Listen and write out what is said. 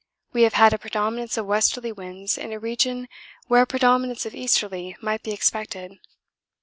We have had a predominance of westerly winds in a region where a predominance of easterly might be expected.